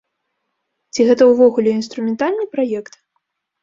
Ці гэта ўвогуле інструментальны праект?